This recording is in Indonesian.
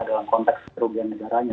dalam konteks kerugian negaranya